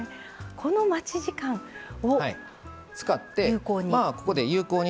この待ち時間を有効に。